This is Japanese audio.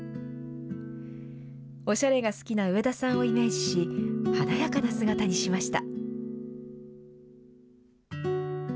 おしゃれが好きな植田さんをイメージし、華やかな姿にしました。